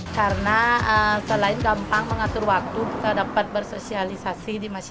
karena selain gampang mengatur waktu kita dapat bersosialisasi di masyarakat